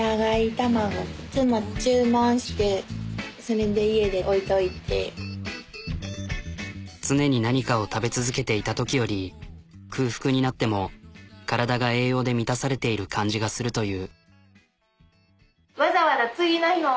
なんか常に何かを食べ続けていたときより空腹になっても体が栄養で満たされている感じがするという。